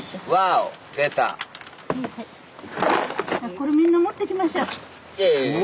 これみんな持ってきましょう。